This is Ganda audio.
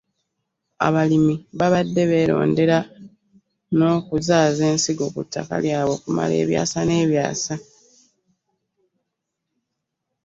Abalimi babadde beerondera n’okuzaaza ensigo ku ttaka lyabwo okumala ebyasa n’ebyasa.